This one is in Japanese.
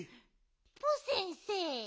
ヒポ先生。